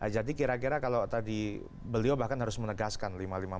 jadi kira kira kalau tadi beliau bahkan harus menegaskan lima ribu lima ratus empat puluh lima